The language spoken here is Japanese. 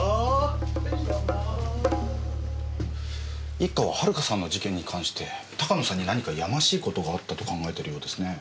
一課は遥さんの事件に関して鷹野さんに何かやましい事があったと考えてるようですねぇ。